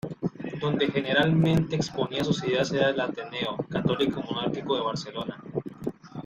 Donde generalmente exponía sus ideas era al Ateneo católico-monárquico de Barcelona.